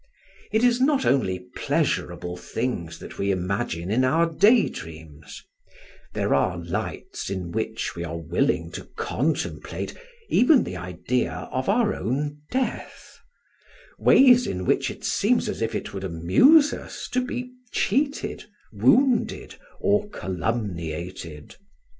It is not only pleasurable things that we imagine in our day dreams; there are lights in which we are willing to contemplate even the idea of our own death; ways in which it seems as if it would amuse us to be cheated, wounded or calumniated.